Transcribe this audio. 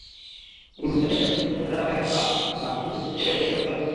পুরুষের পাশাপাশি বাচ্চারাও গাড়ি ধোয়া-মোছা, ফুল বিক্রি এবং ফেরিওয়ালার কাজ করে।